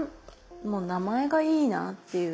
もう名前がいいなぁっていう。